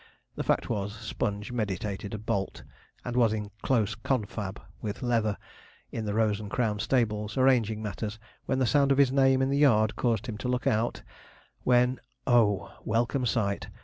The fact was, Sponge meditated a bolt, and was in close confab with Leather, in the Rose and Crown stables, arranging matters, when the sound of his name in the yard caused him to look out, when oh, welcome sight!